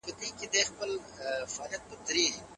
د یخچال دروازه په زور سره را پرانیستل شوه.